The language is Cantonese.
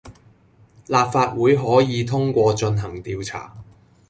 立法會可以通過進行調查